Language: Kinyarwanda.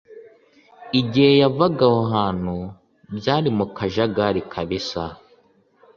Igihe yavaga aho hantu, byari mu kajagari kabisa .